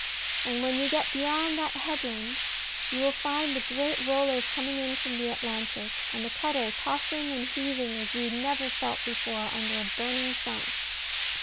And when you get beyond that headland, you will find the great rollers coming in from the Atlantic, and the cutter tossing and heaving as you never felt before, under a burning sun.